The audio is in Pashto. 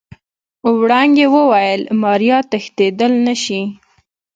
وړانګې وويل ماريا تښتېدل نشي.